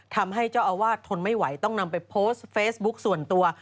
ทำให้เจ้าอาวาสทนไม่ไหวต้องนำไปโพสต์เฟซบุ๊คส่วนตัว